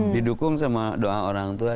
didukung sama doa orang tua